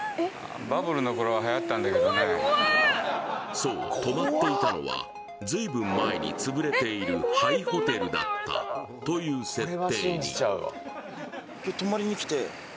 そう泊まっていたのは随分前につぶれている廃ホテルだったという設定。